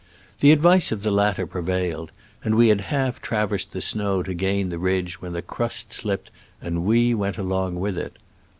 The advice of the latter prevailed, and we had half traversed the snow to gain the ridge when the crust slipped and we went along with it.